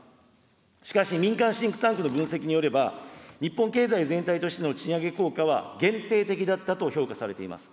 しかし、民間シンクタンクの分析によれば、日本経済全体としての賃上げ効果は限定的だったと評価されています。